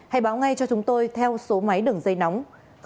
hãy báo ngay cho chúng tôi theo số máy đường dây nóng